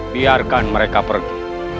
biarkan mereka pergi